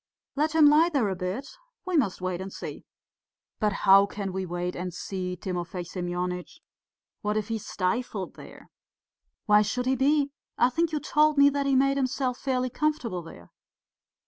Let him lie there a bit. We must wait and see...." "But how can we wait and see, Timofey Semyonitch? What if he is stifled there?" "Why should he be? I think you told me that he made himself fairly comfortable there?"